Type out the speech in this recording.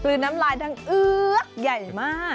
กลืนน้ำลายดังอื้อใหญ่มาก